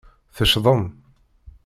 Teccḍem.